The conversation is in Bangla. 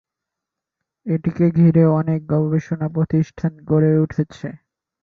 এটিকে ঘিরে অনেক গবেষণা প্রতিষ্ঠান গড়ে উঠেছে।